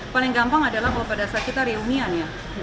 paling gampang adalah kalau pada saat kita reunian ya